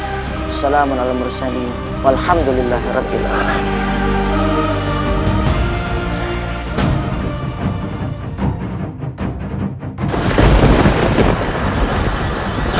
assalamualaikum warahmatullahi wabarakatuh